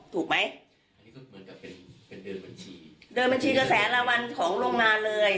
ถูกไหมเดินบัญชีกระแสละวันของโรงงานเลย